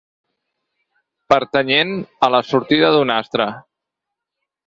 Pertanyent a la sortida d'un astre.